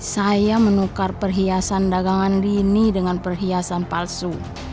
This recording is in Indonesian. saya menukar perhiasan dagangan dini dengan perhiasan palsu